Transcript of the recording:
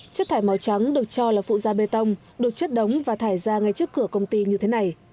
chất thải màu trắng được cho là phụ gia bê tông được chất đóng và thải ra ngay trước cửa công ty như thế này